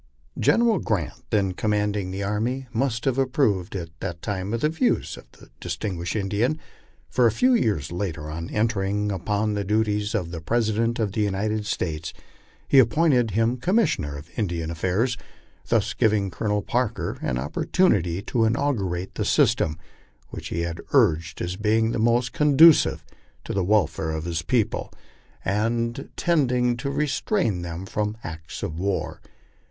LIFE ON THE PLAINS. 123 Gcneial Grant, thon commanding the arm/, must have approved at that time of the views of the distinguished Indian; for a few years later, on entering upon the duties of President of the United States, he appointed him Commissioner of Indian Affairs, thus giving Colonel Parker an opportunity to inaugurate the system which he had urged as being most conducive to the welfare of his people and tending to restrain them from aqts of war.